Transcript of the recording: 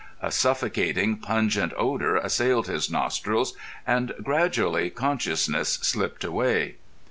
A suffocating, pungent odour assailed his nostrils, and gradually consciousness slipped away.